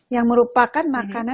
yang merupakan makanan buah